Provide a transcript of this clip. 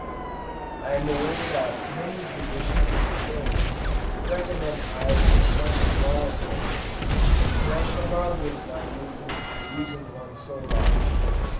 I am aware that many judicious Apiarians recommend hives of much smaller dimensions, and I shall now give my reasons for using one so large.